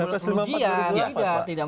pak presiden itu